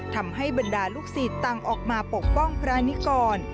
ทำให้บรรดาลูกศิษย์ต่างออกมาปกป้องพระนิกร